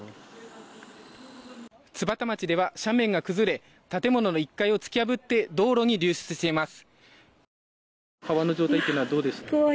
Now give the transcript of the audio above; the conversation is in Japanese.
津幡町では斜面が崩れ建物の１階を突き破って道路に流出しています。